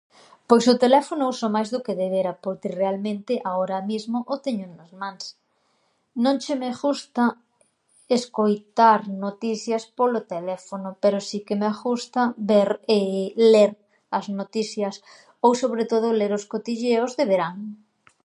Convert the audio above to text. Pois o teléfono o uso máis do que debera porque realmente ahora mismo o teño nas mans. Non che me ghusta escoitar noticias polo teléfono, pero si que me ghustar ver, ler as notisias ou sobre todo ler os cotilleos de verán.